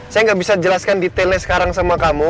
saya nggak bisa jelaskan detailnya sekarang sama kamu